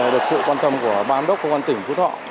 được sự quan tâm của bà án đốc của quần tỉnh phú thọ